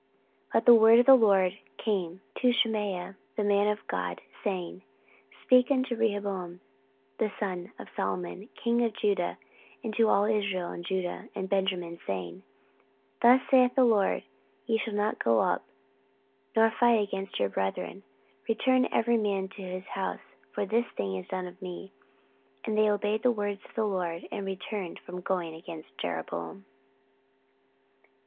14:011:002 But the word of the LORD came to Shemaiah the man of God, saying, 14:011:003 Speak unto Rehoboam the son of Solomon, king of Judah, and to all Israel in Judah and Benjamin, saying, 14:011:004 Thus saith the LORD, Ye shall not go up, nor fight against your brethren: return every man to his house: for this thing is done of me. And they obeyed the words of the LORD, and returned from going against Jeroboam.